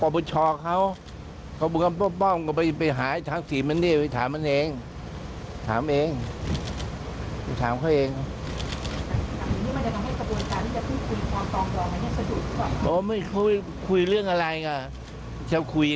ภูมิพูดคุ้ยใครใครอยากคุ้ย